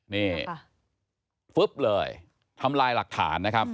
นี่ฟึ๊บเลยทำลายหลักฐาน